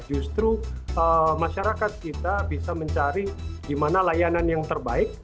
justru masyarakat kita bisa mencari di mana layanan yang terbaik